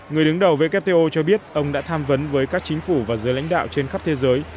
người đứng đầu wto cho biết ông đã tham vấn với các chính phủ và giới lãnh đạo trên khắp thế giới